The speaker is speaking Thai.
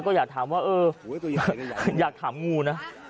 ก็อยากถามว่าเอออยากถามงูนะ